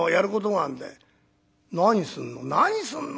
「何すんの？」。